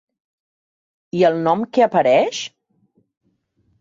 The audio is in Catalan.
I el nom que apareix?